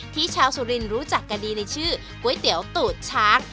ชาวสุรินรู้จักกันดีในชื่อก๋วยเตี๋ยวตูดช้าง